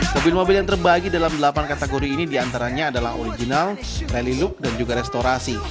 mobil mobil yang terbagi dalam delapan kategori ini diantaranya adalah original rally look dan juga restorasi